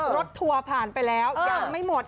ทัวร์ผ่านไปแล้วยังไม่หมด